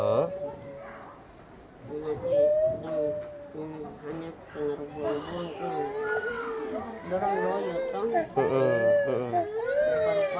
nanti dong hanya dengar buah buahan kan